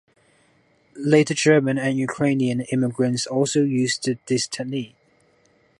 Later German and Ukrainian immigrants also used this technique.